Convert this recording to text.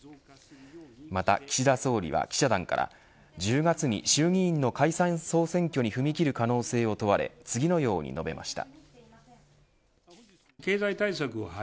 また、岸田総理は記者団から１０月に衆議院の解散総選挙に踏み切る可能性を問われ次のように述べました。